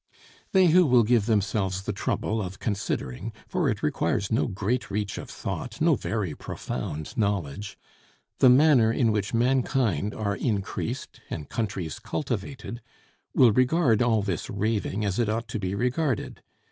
They who will give themselves the trouble of considering (for it requires no great reach of thought, no very profound knowledge) the manner in which mankind are increased and countries cultivated, will regard all this raving as it ought to be regarded.